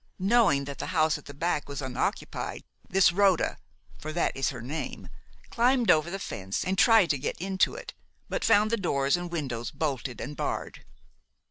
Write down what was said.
Knowing that the house at the back was unoccupied, this Rhoda for that is her name climbed over the fence and tried to get into it, but found the doors and windows bolted and barred.